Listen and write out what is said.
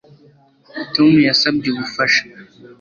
Tom yasabye ubufasha